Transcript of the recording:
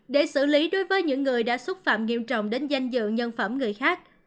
để xử lý đối với những người đã xúc phạm nghiêm trọng đến danh dự nhân phẩm người khác